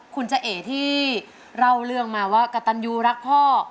คุณจะเอ๋ที่เล่าเรื่องมาว่ากะตันยูรักพ่อ